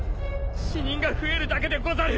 死人が増えるだけでござる。